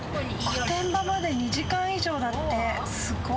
御殿場まで２時間以上だって、すご。